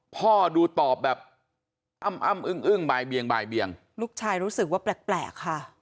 พ่อดูตอบแบบอ้ำอ้ำอึ้งอึ้งบ่ายเบียงบ่ายเบียงลูกชายรู้สึกว่าแปลกค่ะ